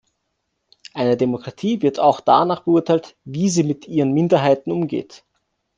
Eine Demokratie wird auch danach beurteilt, wie sie mit ihren Minderheiten umgeht.